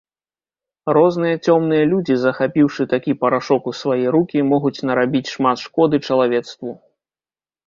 Розныя цёмныя людзі, захапіўшы такі парашок у свае рукі, могуць нарабіць шмат шкоды чалавецтву.